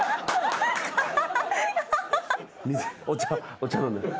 お茶飲んで。